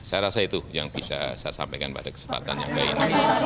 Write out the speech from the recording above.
saya rasa itu yang bisa saya sampaikan pada kesempatan yang baik ini